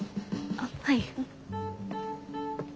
あっはい。